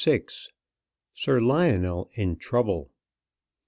SIR LIONEL IN TROUBLE.